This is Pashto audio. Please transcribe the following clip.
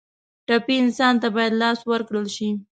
ټپي انسان ته باید لاس ورکړل شي.